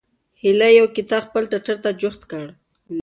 هیلې یو کتاب خپل ټټر ته جوخت کړ.